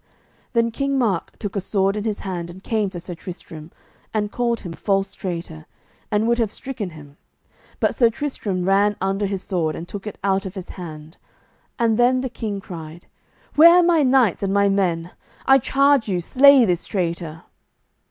Then King Mark took a sword in his hand and came to Sir Tristram, and called him false traitor, and would have stricken him. But Sir Tristram ran under his sword, and took it out of his hand. And then the king cried, "Where are my knights and my men? I charge you slay this traitor."